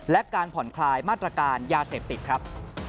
และการผ่อนคลายมาตรการยาเสพติดครับ